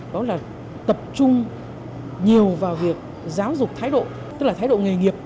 đó là tập trung nhiều vào việc giáo dục thái độ tức là thái độ nghề nghiệp